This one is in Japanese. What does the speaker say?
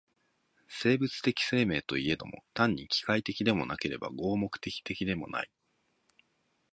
生物的生命といえども、単に機械的でもなければ合目的的でもない。